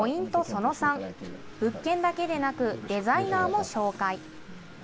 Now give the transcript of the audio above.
その３、物件だけでなく、デザイナーも紹介。